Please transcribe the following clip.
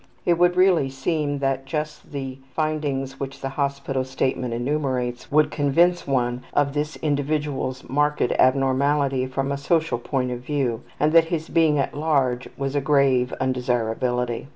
It would really seem that just the findings which the hospital statement enumerates would convince one of this individual's marked abnormality from a social point of view and that his being at large was a grave undesirability.